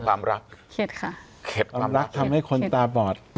ความรักทำให้คนตาบอด